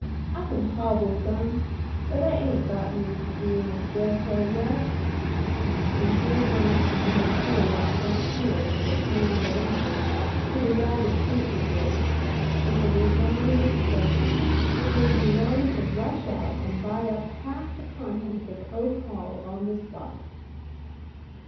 I can hobble some, but I ain't got used to bein' a scarecrow yet," and Joe glanced from the hose without heels that hung on the line to the ragged suit he wore, with a resigned expression that made me long to rush out and buy up half the contents of Oak Hall on the spot.